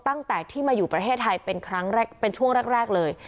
ตั้งแต่ที่มาอยู่ประเทศไทยเป็นช่วงแรกเลย